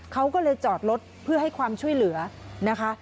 เขาก็เลยจอดรถเพื่อให้ความช่วยเหลือนะคะ